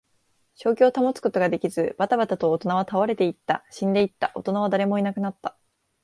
正気を保つことができず、ばたばたと大人は倒れていった。死んでいった。大人は誰もいなくなった。